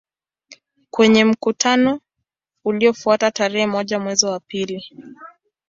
Kwenye mkutano uliofuata tarehe moja mwezi wa pili